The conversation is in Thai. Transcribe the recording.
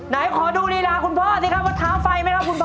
ไหนขอดูลีลาคุณพ่อสิครับว่าเท้าไฟไหมครับคุณพ่อ